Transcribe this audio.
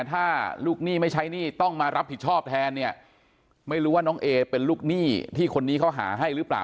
ถ้าลูกหนี้ไม่ใช้หนี้ต้องมารับผิดชอบแทนเนี่ยไม่รู้ว่าน้องเอเป็นลูกหนี้ที่คนนี้เขาหาให้หรือเปล่า